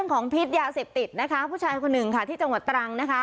ของพิษยาเสพติดนะคะผู้ชายคนหนึ่งค่ะที่จังหวัดตรังนะคะ